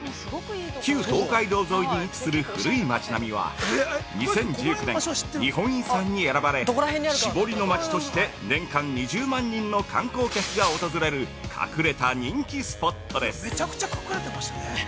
旧東海道沿いに位置する古い街並みは２０１９年、日本遺産に選ばれ、「絞りの街」として年間２０万人の観光客が訪れる隠れた人気スポットです。